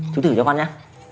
chú thử cho con nhá